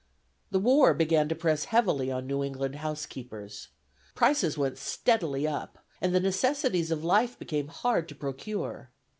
The war began to press heavily on New England housekeepers. Prices went steadily up, and the necessaries of life became hard to procure.